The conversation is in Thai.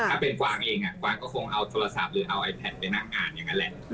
ถ้าเป็นกวางเองกวางก็คงเอาโทรศัพท์หรือเอาไอ้แผ่นไปนั่งงานอย่างนั้นแหละ